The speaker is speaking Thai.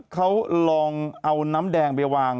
เขาลองเอาน้ำแดงไปวาง